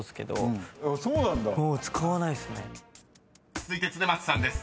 ［続いて恒松さんです］